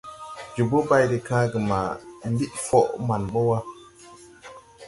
Jobo bay de kããge ma ɓid fɔ man bɔ wà.